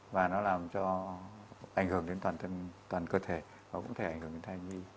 và nó làm cho ảnh hưởng đến toàn cơ thể và cũng thể ảnh hưởng đến thay nhi